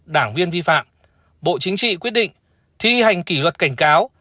đảng viên vi phạm bộ chính trị quyết định thi hành kỷ luật cảnh cáo